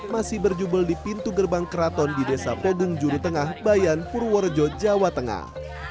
masih berjubel di pintu gerbang keraton di desa podung juru tengah bayan purworejo jawa tengah